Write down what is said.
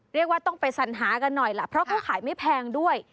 เรียกว่าต้องไปสัญหากันหน่อยล่ะเพราะเขาขายไม่แพงด้วย